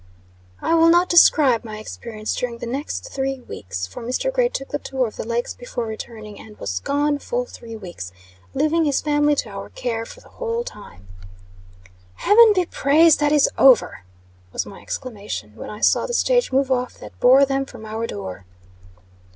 I will not describe my experience during the next three weeks for, Mr. Gray took the tour of the Lakes before returning, and was gone full three weeks, leaving his family to our care for the whole time. "Heaven be praised, that is over!" was my exclamation, when I saw the stage move off that bore them from our door.